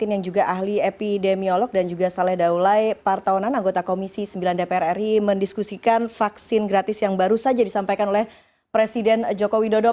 yang juga ahli epidemiolog dan juga saleh daulai partonan anggota komisi sembilan dpr ri mendiskusikan vaksin gratis yang baru saja disampaikan oleh presiden joko widodo